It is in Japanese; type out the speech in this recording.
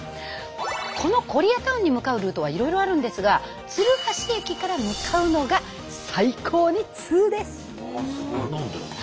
このコリアタウンに向かうルートはいろいろあるんですが鶴橋駅から向かうのが最高にツウです！